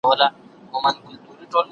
میل د ټولنې او فرهنګ اغېز هم لري.